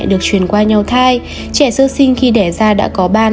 được truyền qua nhau thai trẻ sơ sinh khi đẻ ra đã có ban